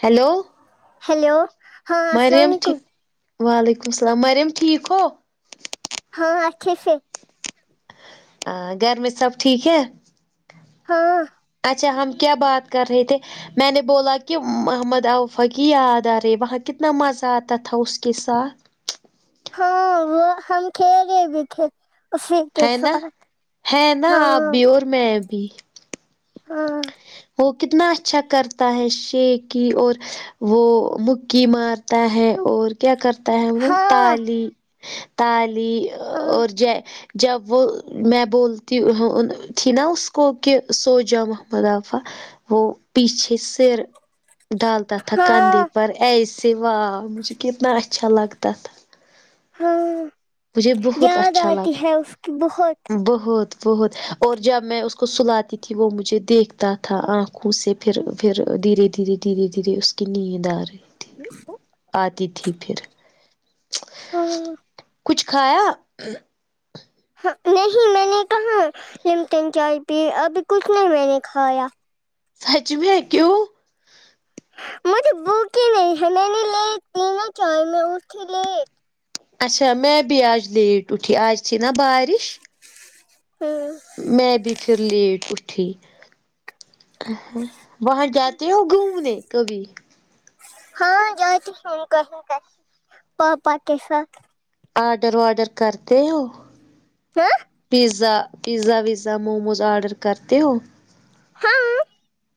hello hello ہاں السلام مریم ٹھ علیکم وعلیکم السلام مریم ٹھیک ہو ہاں اچھے سے ا گھر میں سب ٹھیک ہے ہاں اچھا ہم کیا بات کر رہے تھے میں نے بولا کہ محمد اوفا کی یاد آ رہی ہے وہاں کتنا مزہ آتا تھا اس کے ساتھ ہاں ہاں ہم کھیل رہے بھی تھے اسی کے ہے نا ساتھ ہے نا آپ ہاں بھی اور میں بھی ہاں وہ کتنا اچھا کرتا ہے شے کی اور وہ مکی مارتا ہے اور کیا کرتا ہے وہ ہاں تالی تالی ہاں اور ج جب وہ میں بولتی ہوں نہ تھی نا اس کو کہ سوجا ؤ وہاں مادافع وہ پیچھے سر ڈالتا تھا تھا کنددھے ہاں پر ایسے سوا مجھے کتنا اچھا لگتا تھا ہاں بہت یاد اچھا آتی لگت ہے اس کی بہت بہت بہت اور جب میں اس کو سلاتی تھی وہ مجھے دیکھتا تھا آنکھوں سے پھر پھر دھیرے دھیرے دھیرے دھیرے اس کی نیند آ رہی آتی تھی پھر آ ہوں کچھ کھایا ہان نہیں میں نے کہاں لمٹن چائے پی ابھی کچھ نہیں میں نے کھایا سچ میں کیوں مجھے بھوک ہی نہیں ہے میں نے لیٹ پی نا چائے میں اٹھی لیٹ اچھا میں بھی آج لیٹ اٹھی آج تھی نہ بارش ہوں میں بھی پھر لیٹ اٹھی آ ہاں وہاں جاتے ہو گھومنے کبھی ہاں جاتے ہم کہیں کہیں پاپا کےساتھ آرڈر واڈر کرتے ہو ہاں پیزا پیزا ویزا موموز آرڈر کرتے ہو ہاں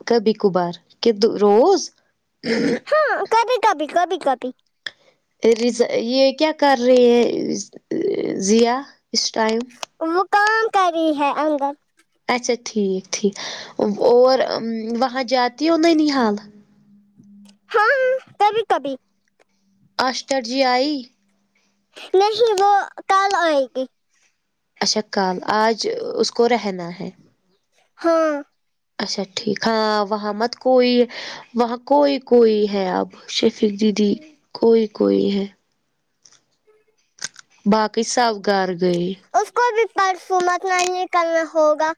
کبھی کبھار کے روز ہاں کبھی کبھی کبھی کبھی رضا یہ کیا کر رہے ہیں ضیا اس ٹائم وو کام کری ہے اندر اچھا ٹھیک ٹھیک اور وہاں جاتی ہو ننہال ہاں کبھی کبھی آشٹر جی آئی نہیں وہ کل آے گی اچھا کل آج اس کو رہنا ہے ہاں اچھا ٹھیک ہاں وہاں مت کوئی وہاں کوئی کوئی ہے اب شفق دی دی کوئی کوئی ہے باقی سب گھر گئے اس کو بھی پرسوں مت نہیں کرنا ہوگا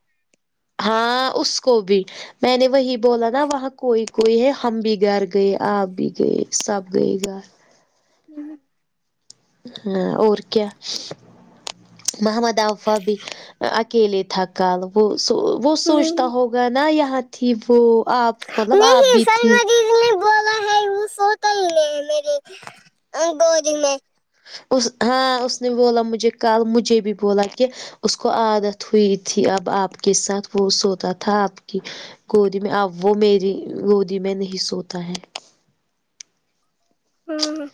ہاں اس کو بھی میں نے وہی بولا نا وہاں کوئی کوئی ہے ہم بھی گھر گئے آپ بھی گئے سب گئے گھر ہوں ہاں اور کیا محمد افا بھی اکیلے تھا کل وہ سو وہ سوچتا ہوگا نا یہاں تھی وہ آپ مطلب آپ بھی تھی اس نے بولا ہے وہ سوتا ہی نہیں میرے گود میں اس ہاں اس نے بولا مجھے کل مجھے بھی بولا کہ اس کو عادت ہوئی تھی اب آپ کے ساتھ وہ سوتا تھا آپ کی گودی میں اب وہ میری گودی میں نہیں سوتا ہے ہوں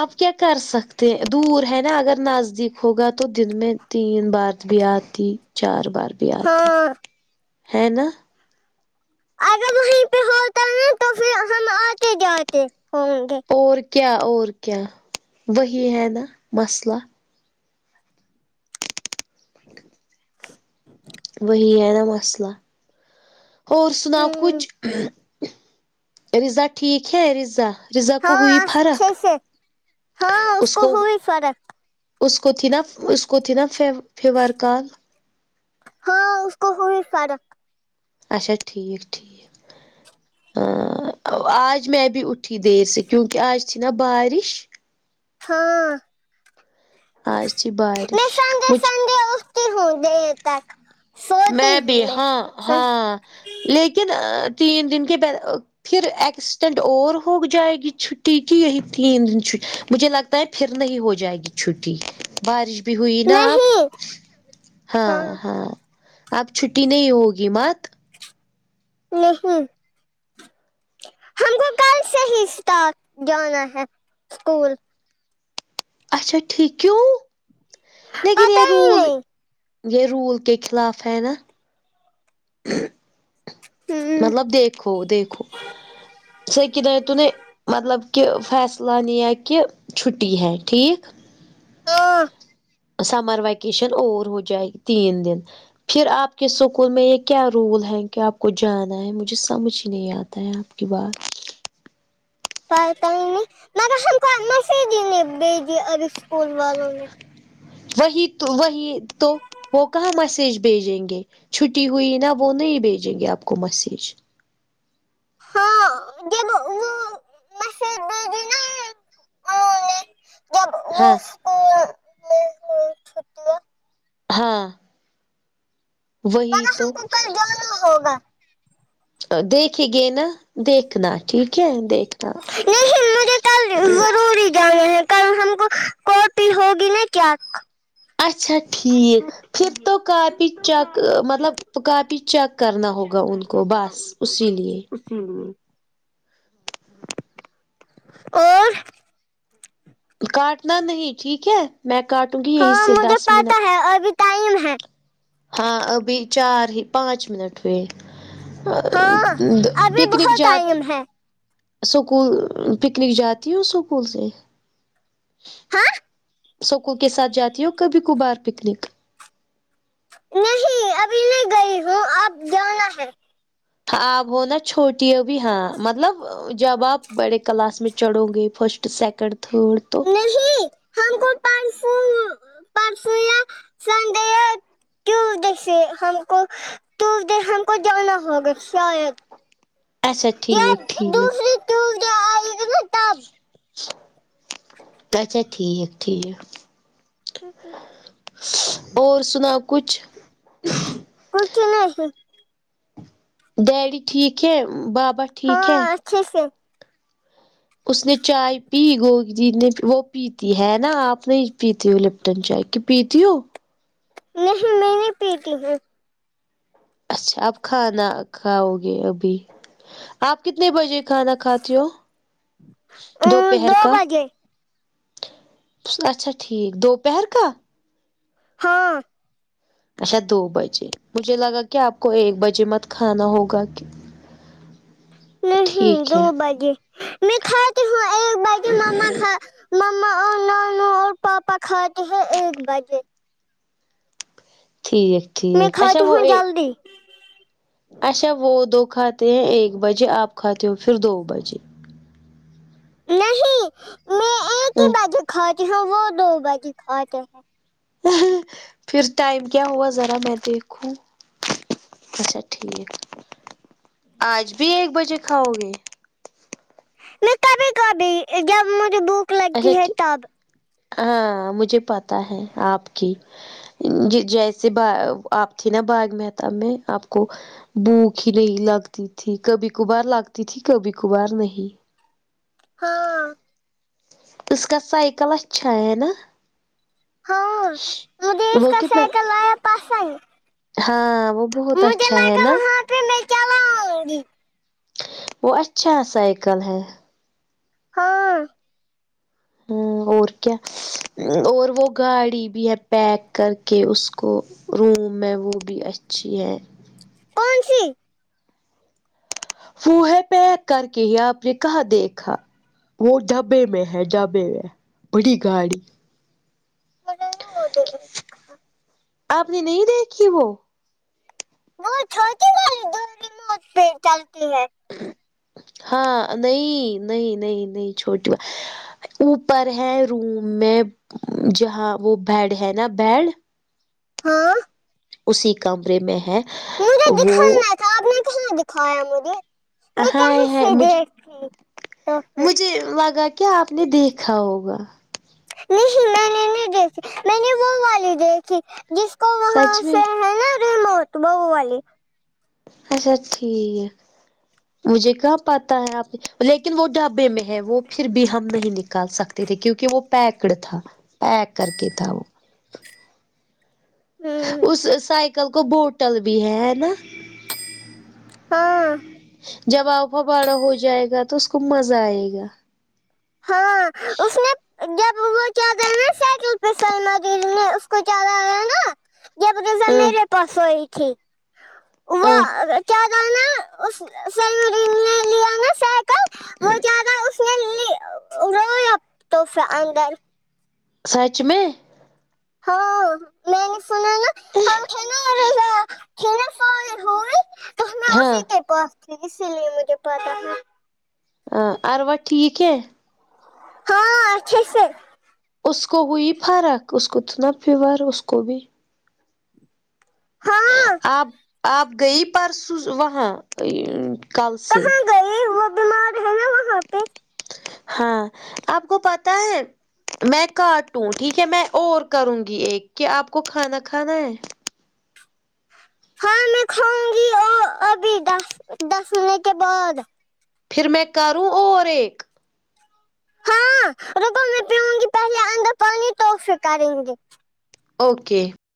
آپ کیا کر سکتے ہیں دور ہے نا اگر نزدیک ہوگا تو دن میں تین بار بھی آتی چار بار بھی آتی ہاں ہے نا اگر وہیں پہ ہوتا ہے نا تو پھر ہم آتے جاتے ہوں گے اور کیا اور کیا وہی ہے نا مسلہ [inaudible] وہی ہے نا مسئلہ اور سناؤ کچھ رضا ٹھیک ہے رضا رضا کو ہاں ہوئی فرق اچھے سے ہاں اس کو ہوئی فرق اس کو تھی نا اس کو تھی نا فیور کل ہاں اس کو ہوئ فرق اچھا ٹھیک ٹھیک آ آج میں بھی اٹھی دیر سے کیونکہ آج تھی نا بارش ہاں آج تھی بارش میں سنڈے مج سنڈے اٹھتی ہوں دیر تک سوتی میں بھی ہوں ہاں سن... ہاں لیکن تین دن کے ب پھر ایکسیڈینٹ اور ہو جائے گی چھٹی کی یہی تین دن چھ مجھے لگ تا ہے پھر نہیں ہو جائے گی چھٹی بارش بھی ہوئی نا اب نہیں ہاں ہاں اب چھٹی نہیں ہوگی مات نہیں ہم کو کل سے ہی اسٹا رٹ جانا ہے اسکول اچھا ٹھیک کیوں لیکن پتہ یہ ہی رول نہیں یہ رول کے خلاف ہے نا [unintelligible] ہم، مطلب دیکھو دیکھو صحیح کیا توں نے مطلب کہ فیصلہ نیا یا کیوں چھٹی ہے ٹھیک اں سمر وکیشن اور ہو جائے تین دن پھر آپ کے سکول میں یہ کیا رول ہیں کہ آپ کو جانا ہے مجھے سمجھ ہی نہیں آتا ہے آپ کے بعد کیا کرینگے مگر ہم کو میسج ہی نہیں بھیجی اب سکول والوں نے وہی تو وہی تو وہ کہاں میسج بھیجیں گے چھٹی ہوئی نا وہ نہیں بھیجیں گے آپ کو مسیج ہاں دیکھو وہ مسیج بھے جب ہاں اوس ہاں وہی مگر ہم تو کو کل جانا ہوگا دیکھے گے نا دیکھنا ٹھیک ہے دے نہیں مجھے کل ضرور ی جانا ہے کل ہم کو کو پی ہوگی نہ کیا ک اچھا ٹھیک پھر تو کاپی چیک مطلب کاپی چیک کرنا ہوگا ان کو بس اسی لیے ہوں اور کاٹنا نہیں ٹھیک ہے میں کاٹوں گی یہیں ہاں سے مجھے دس پتا منٹ ہے ابھی ٹائم ہے ہاں ابھی چار ہی پانچ منٹ ٹھیک آ ہاں د ابھی پکنک بہت جات ٹائم ہے سکول پکنک جاتی ہو سکول سے ہاں اسکول کے ساتھ جاتی ہوں کبھی کبار پکنک نہیں ابھی نہیں گئی ہوں اب جانا ہے ہاں آپ ہونا چھوٹی ابھی ہاں مطلب جب آپ بڑے کلاس میں چڑھو گے فسٹ سیکنڈ تھرڈ تو نہیں ہم کو ٹنگ فل پرسوں یا سنڈے یا تویسڈے سے ہم کو ٹویسڈے ہم کو جانا ہوگا شاید اچھا یا ٹھیک ٹھیک دوسری ٹیوزڈے آئے گی نا تب اچھا ٹھیک ٹھیک اور سناؤ کچھ کچھ نہیں ڈیڈی ٹھیک ہے بابا ٹھیک ہاں ہے اچھے سے اس نے چائے پی گوگ جی نے وہ پیتی ہے نا آپ نے پیتی وہ تم چائے کی پیتی ہو نہیں میں نہیں پیتی ہو اچھا اب کھانا کھاؤ گے ابھی آپ کتنے بجے کھانا کھاتے ہو ہوں دوپہر دو کا بجے اچھا ٹھیک دوپہر کا ہاں اچھا دو بجے مجھے لگا کہ آپ کو ایک بجے مت کھانا ہوگا کہ نہیں دو ہے بجے میں کھاتی ہوں ایک بجے مما کھ مما اور نانو اور پاپا کھاتے ہیں ایک بجے ٹھیک ٹھیک اچھا وہ اے ڈی اچھا وہ دو کھاتے ہیں ایک بجے آپ کھاتے ہو پھر دو بجے نہیں ہ کھاتے ہیں وہ دو بجے کھاتے ہیں نہیں پھر ٹائم کیا ہوا ذرا میں دیکھوں اچھا ٹھیک آج بھی ایک بجے کھاؤ گے میں کبھی کبھی جب مجھے بک اچھا ٹھیک ہاں مجھے پتا ہے آپ کی جیسے با آپ تھی نا باغ محتاب میں آپ کو بھوک ہی نہیں لگتی تھی کبھی کبھار لگتی تھی کبھی کبھار نہیں ہاں اس کا سائیکل اچھا ہے نا ہاں مجھے اس وہ کا کتنا سائیکل آیا پسند ہاں وہ بہت مجھے اچھا ہے لگا نا وہاں پہ میں چلاؤں گی وہ اچھا سائیکل ہے ہاں ہمم اور کیا اور وہ گاڑی بھی ہے پیک کر کے اس کو او میں وہ بھی اچھی ہے کونسی وہ ہے پیک کر کے آپ نے کہاں دیکھا وہ ڈبہ میں ہے ڈبہ میں بڑی گاڑی م ہوڈ [unintelligible] آپ نے نہیں دیکھی وہ وہ چھوٹی والی بم بم پے چلتی ہے ہاں نہیں نہیں نہیں نہیں چھوٹی اوپر ہے روم میں جہاں وہ بیڈ ہے نا بیڈ ہاں اسی کمرے میں ہے وہ کب نے کہاں دکھایا مجھے میں ہاے کہاں ہاے سے مھ دیکھی تو پھر مجھے لگا کہ کیا آپ نے دیکھا ہوگا نہیں میں نے نہیں دیکھی میں نے وہ والی دیکھی جس کو وہاں سچ میں سے ہے نا ریموٹ وہ والے اچھا ٹھیک مجھے کہاں پتہ ہے آپ لیکن وہ ڈھبے میں ہے وہ پھر بھی ہم نہیں نکال سکتے تھے کیونکہ وہ پیکڈ تھا پیک کر کے تھا ہوں اس سائیکل کو بوٹل بھی ہے ہے نا ہاں جب آپکا باڑا ہو جائے گا تو اس کو مزہ آئے گا ہاں اس نے جب وہ کیا د تو وہ دل میں اس کو چیا ہے نا ج [unintelligible] ہمم پسئی کی وہ ہاں چار لانا [unintelligible] اس ساتی ہ اسمیں نہیں روب توفدر سچ میں ہاں میں نے سنا اھ ہ تیرا سال ہوے تو ہمارا ہاں پاس اسی لیے مجھے پتاہ تھا ہاں اروا ٹھیک ہے ہاں اچھا سے اس کو ہوئی فرق اس کو تو اتنا فیور ہے اس کو بھی ہاں آپ آپ گئی پرسوں وہاں کل سے نہیں وہ بیمار ہے نا وہاں پہ ہاں آپ کو پتا ہے میں کاٹوں ٹھیک ہے میں اور کروں گی ایک کیا آپ کو کھانا کھانا ہے کھانا کھاؤں گی اور ابھی دس دس منٹ کے بعد پھر میں کروں اور ایک ربا میں پیؤں گی پہلے اندر پانی تو پھر کرے گے اوکے